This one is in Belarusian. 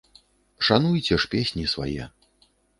Шануйце ж песні свае.